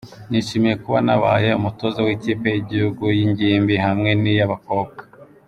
Nishimiye kuba nabaye umutoza w’kipe y’igihugu y’ingimbi hamwe n’iy’abakobwa.